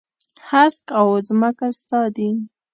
هسک او ځمکه ستا دي.